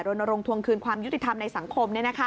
รณรงค์ทวงคืนความยุติธรรมในสังคม